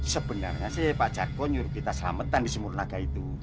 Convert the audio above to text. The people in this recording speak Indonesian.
sebenarnya sih pak jarko nyuruh kita selamatan di sumurnaga itu